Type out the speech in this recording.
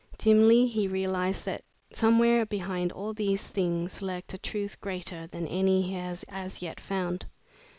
Dimly he realized that somewhere behind all these things lurked a truth greater than any he had as yet found.